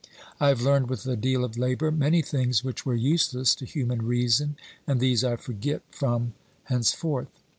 I have learned with a deal of labour many things which were useless to human reason, and these I forget from henceforth.